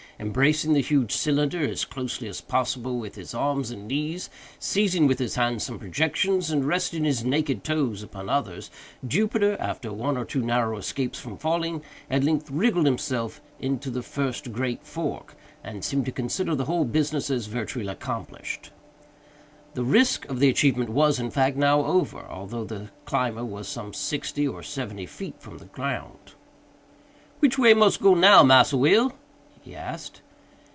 Embracing the huge cylinder, as closely as possible, with his arms and knees, seizing with his hands some projections, and resting his naked toes upon others, Jupiter, after one or two narrow escapes from falling, at length wriggled himself into the first great fork, and seemed to consider the whole business as virtually accomplished. The risk of the achievement was, in fact, now over, although the climber was some sixty or seventy feet from the ground. "Which way mus go now, Massa Will?" he asked.